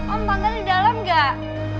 om tante di dalam gak